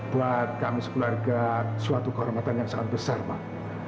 buat kami sekeluarga suatu kehormatan yang sangat besar pak